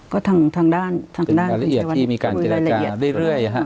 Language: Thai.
ก็ทางด้านทางด้านรายละเอียดที่มีการเจรจาเรื่อยฮะ